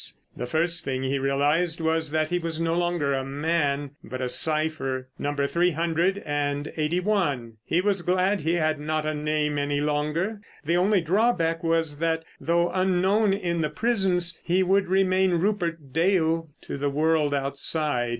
The first thing he realised was that he was no longer a man, but a cypher, number three hundred and eighty one. He was glad he had not a name any longer. The only drawback was that, though unknown in the prisons, he would remain Rupert Dale to the world outside.